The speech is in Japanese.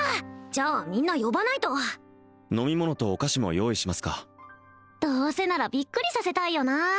じゃあみんな呼ばないと飲み物とお菓子も用意しますかどうせならびっくりさせたいよな